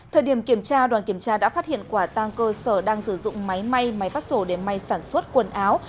thời điểm kiểm tra đoàn kiểm tra đã phát hiện quả tăng cơ sở đang sử dụng máy may máy phát sổ để may sản xuất quần áo